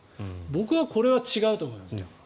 僕はこれは違うと思いますね。